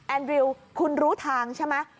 ริวคุณรู้ทางใช่ไหม